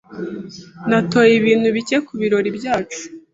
Natoye ibintu bike kubirori byacu.